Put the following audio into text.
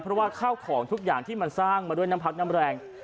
เพราะว่าข้าวของทุกอย่างที่มันสร้างมาด้วยน้ำพักน้ำแรง